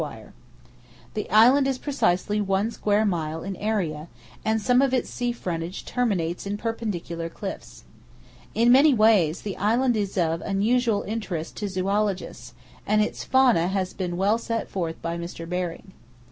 The island is precisely one square mile in area, and some of its sea frontage terminates in perpendicular cliffs. In many ways the island is of unusual interest to zoologists, and its fauna has been well set forth by Mr. Baring.